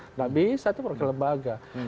tidak bisa itu wakil lembaga